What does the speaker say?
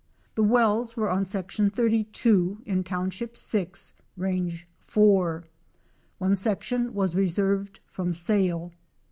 The wells were on section 32, in township 6, range 4. One section was reserved from sale.